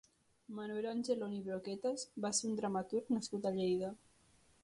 Manuel Angelon i Broquetas va ser un dramaturg nascut a Lleida.